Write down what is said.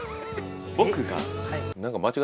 僕が。